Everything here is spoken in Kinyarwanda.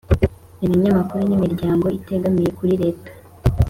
ibinyamakuru n'imiryango itegamiye kuri leta,